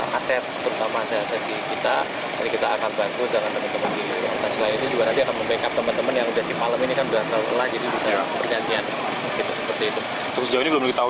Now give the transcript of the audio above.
jadi terima kasih